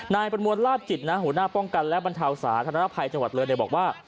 นายประมวลลาบจิตนะฮูหน้าป้องกันและบรรทาวศาสตร์ธนรภัยจังหวัดเรือนเนี่ยบอกว่า